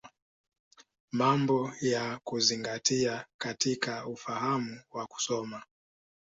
Mambo ya Kuzingatia katika Ufahamu wa Kusoma.